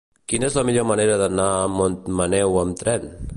Quina és la millor manera d'anar a Montmaneu amb tren?